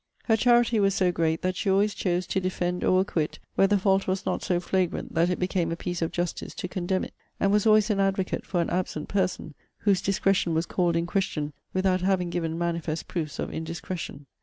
Her charity was so great, that she always chose to defend or acquit where the fault was not so flagrant that it became a piece of justice to condemn it; and was always an advocate for an absent person, whose discretion was called in question, without having given manifest proofs of indiscretion.